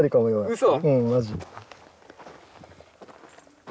うそ？